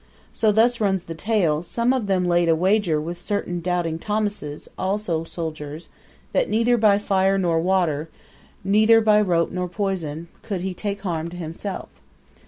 So thus runs the tale some of them laid a wager with certain Doubting Thomases, also soldiers, that neither by fire nor water, neither by rope nor poison, could he take harm to himself.